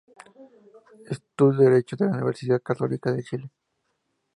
Estudió derecho en la Universidad Católica de Chile.